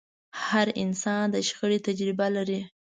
هر انسان د شخړې تجربه لري.